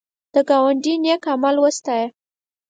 د ګاونډي نېک عمل وستایه